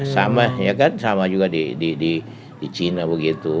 sama ya kan sama juga di di di cina begitu